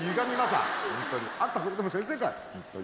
あんたそれでも先生かい。